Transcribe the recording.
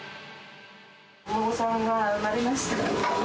お孫さんが産まれました。